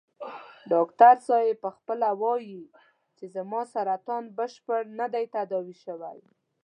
ډاکټر صاحب په خپله وايي چې زما سرطان بشپړ نه دی تداوي شوی.